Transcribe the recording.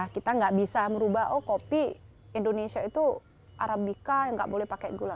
kita nggak bisa merubah oh kopi indonesia itu arabica nggak boleh pakai gula